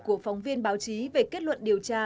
của phóng viên báo chí về kết luận điều tra